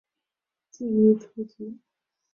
记一出局。